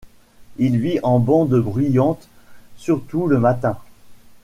Il vit en bandes bruyantes surtout le matin.